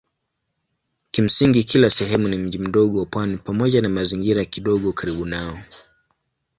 Kimsingi kila sehemu ni mji mdogo wa pwani pamoja na mazingira kidogo karibu nao.